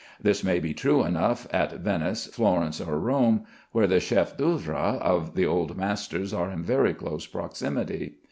This may be true enough at Venice, Florence, or Rome, where the chefs d'œuvre of the old masters are in very close proximity.